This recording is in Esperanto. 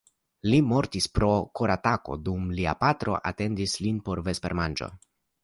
Li mortis pro koratako dum lia patro atendis lin por vespermanĝo.